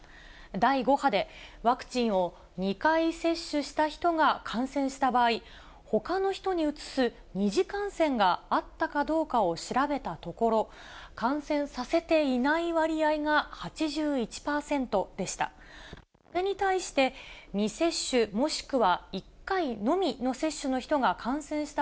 第５波でワクチンを２回接種した人が感染した場合、ほかの人にうつす二次感染があったかどうかを調べたところ、感染させていない割合が８１％でした。